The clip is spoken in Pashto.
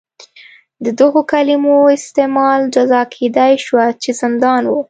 د دغو کلیمو استعمال جزا کېدای شوه چې زندان و.